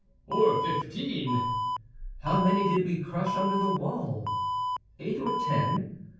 "Or fifteen." "How many did we crush under the wall?" "Eight or ten."